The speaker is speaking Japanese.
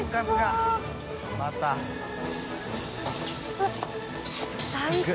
うわっ最高。